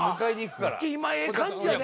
今ええ感じやで。